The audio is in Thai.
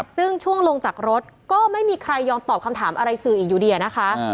ซึ่งช่วงลงจากรถก็ไม่มีใครยอมตอบคำถามอะไรสื่ออีกอยู่ดีนะคะ